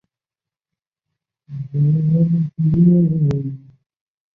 天显十一年鹘离底以南府宰相从太宗南下帮助石敬瑭攻后唐。